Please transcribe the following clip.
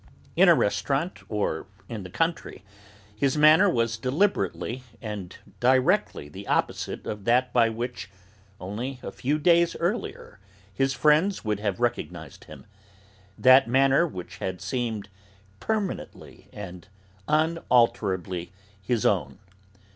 In a restaurant, or in the country, his manner was deliberately and directly the opposite of that by which, only a few days earlier, his friends would have recognised him, that manner which had seemed permanently and unalterably his own.